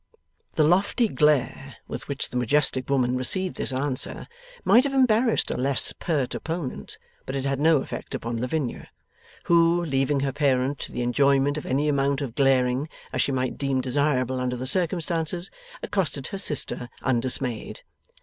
The lofty glare with which the majestic woman received this answer, might have embarrassed a less pert opponent, but it had no effect upon Lavinia: who, leaving her parent to the enjoyment of any amount of glaring at she might deem desirable under the circumstances, accosted her sister, undismayed.